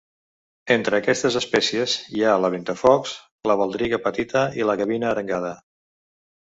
Entre aquestes espècies hi ha la Ventafocs, la baldriga petita i la Gavina arengada.